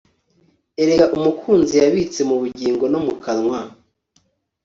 Erega umukunzi yabitse mu bugingo no mu kanwa